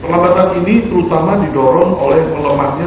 perawatan ini terutama didorong oleh melemahnya